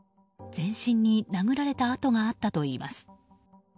全身に殴られた痕があったといいます。